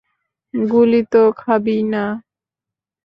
গুলি তো খাবিই না?